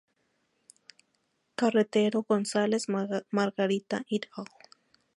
In: Carretero González, Margarita et al.